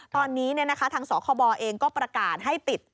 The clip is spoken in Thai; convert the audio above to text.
ตอนนี้ทางสคบเองก็ประกาศให้ปิด